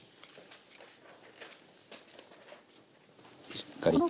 しっかりと。